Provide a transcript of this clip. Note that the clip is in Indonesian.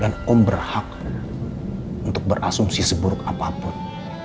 dan om berhak untuk berasumsi seburuk apapun